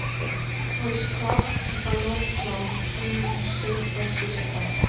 «Мый шкак Иванов улам», — кумшет вашешта.